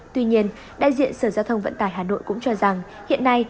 tuy nhiên đại diện sở giao thông vận tải hà nội cũng cho rằng hiện nay